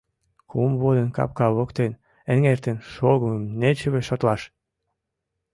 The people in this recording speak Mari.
— Кум водын капка воктен эҥертен шогымым нечыве шотлаш!